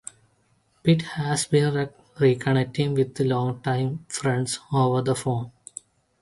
Pitt has been reconnecting with his longtime friends over the phone.